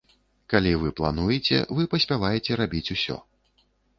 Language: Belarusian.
Калі вы плануеце, вы паспяваеце рабіць усё.